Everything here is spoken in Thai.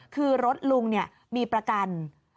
คือรถลุงมีประกัน